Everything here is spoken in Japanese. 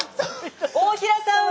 大平さんは？